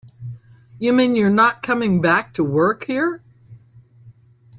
You mean you're not coming back to work here?